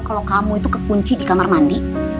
kalo kamu itu ke kunci di kamar mandi